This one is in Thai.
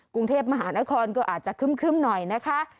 กรุงเทพมหานครก็อาจจะครึ่มหน่อยนะคะ